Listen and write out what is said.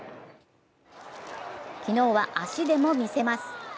昨日は足でも見せます。